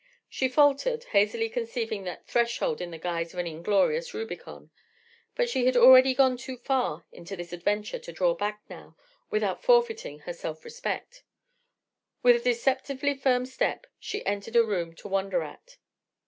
She faltered, hazily conceiving that threshold in the guise of an inglorious Rubicon. But she had already gone too far into this adventure to draw back now without forfeiting her self respect. With a deceptively firm step she entered a room to wonder at.